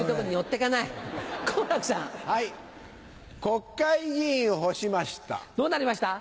国会議員を干しました。